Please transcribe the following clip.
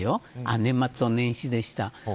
年末と年始でした。